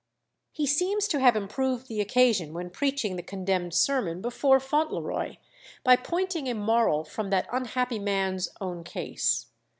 He seems to have improved the occasion when preaching the condemned sermon before Fauntleroy, by pointing a moral from that unhappy man's own case.